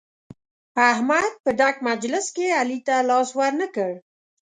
احمد په ډک مجلس کې علي ته لاس ور نه کړ.